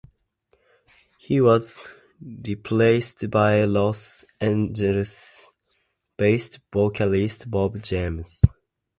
He was replaced by Los Angeles-based vocalist Bob James.